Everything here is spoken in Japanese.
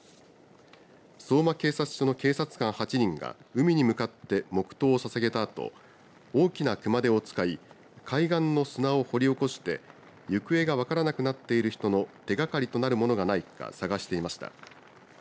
相馬警察署の警察官８人が海に向かって黙とうをささげたあと大きな熊手を使い海岸の砂を掘り起こして行方が分からなくなっている人の手がかりとなるものがないか探していました。